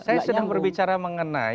saya sedang berbicara mengenai